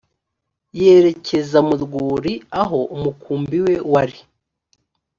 yerekeza mu rwuri aho umukumbi we wari